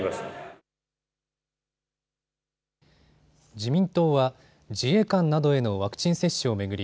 自民党は自衛官などへのワクチン接種を巡り